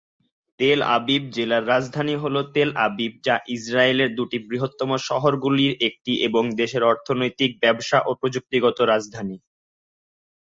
তেল আবিব জেলার রাজধানী হলো তেল আবিব যা ইসরায়েলের দুটি বৃহত্তম শহরগুলির একটি এবং দেশের অর্থনৈতিক, ব্যবসা ও প্রযুক্তিগত রাজধানী।